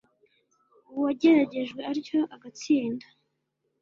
uwageragejwe atyo agatsinda